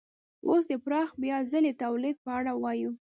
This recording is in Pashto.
اوس د پراخ بیا ځلي تولید په اړه وایو